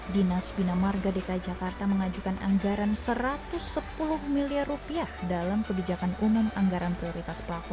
dinas pinamarga dki jakarta mengajukan anggaran rp satu ratus sepuluh miliar dalam kebijakan umum anggaran prioritas pakon